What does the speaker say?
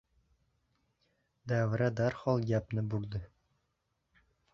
Davra darhol gapni burdi.